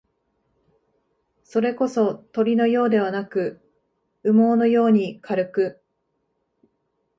それこそ、鳥のようではなく、羽毛のように軽く、